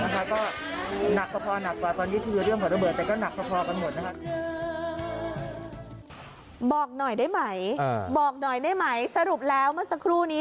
บอกหน่อยได้ไหมบอกหน่อยได้ไหม